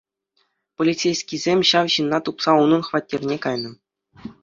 Полицейскисем ҫав ҫынна тупса унӑн хваттерне кайнӑ.